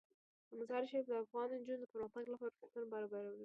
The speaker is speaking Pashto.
مزارشریف د افغان نجونو د پرمختګ لپاره فرصتونه برابروي.